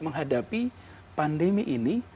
menghadapi pandemi ini